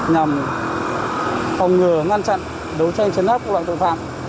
nhằm phòng ngừa ngăn chặn đấu tranh chấn áp các loại tội phạm